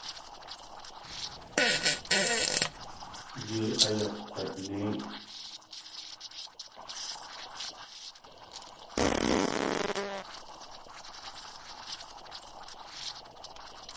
Yei ayakg̲wanéi.